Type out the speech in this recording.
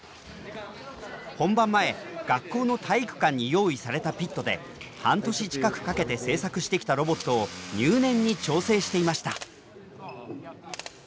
本番前学校の体育館に用意されたピットで半年近くかけて製作してきたロボットを入念に調整していました。